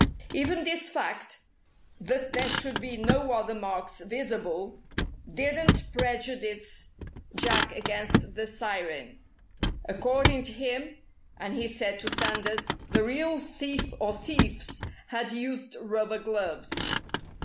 Even this fact that there should be no other marks visible didn't prejudice Jack against the Siren. According to him and (he said) to Sanders the real thief or thieves had used rubber gloves.